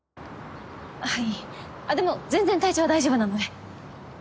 はいあっでも全然体調は大丈夫なので。